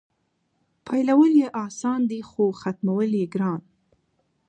پیلول یې اسان دي خو ختمول یې ګران.